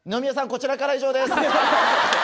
こちらからは以上です。